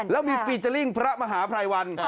แล้วมีฟีเจอร์ลิ่งพระมหาภัยวัน